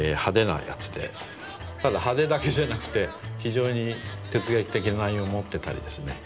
ただ派手だけじゃなくて非常に哲学的な内容を持ってたりですね